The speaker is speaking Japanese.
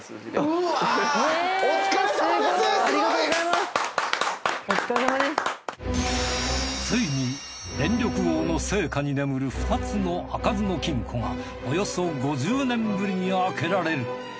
すごい！ついに電力王の生家に眠る２つの開かずの金庫がおよそ５０年ぶりに開けられる。